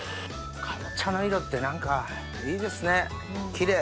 かぼちゃの色って何かいいですねキレイ。